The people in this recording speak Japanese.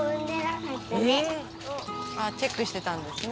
ああチェックしてたんですね。